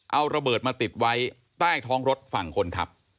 เอาระเบิดมาติดไว้ใต้ท้องรถฝั่งคนขับ